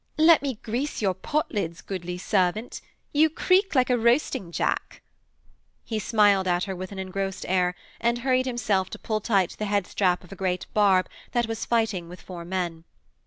'Let me grease your potlids, goodly servant. You creak like a roasting jack.' He smiled at her with an engrossed air, and hurried himself to pull tight the headstrap of a great barb that was fighting with four men.